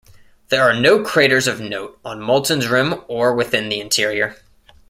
There are no craters of note on Moulton's rim or within the interior.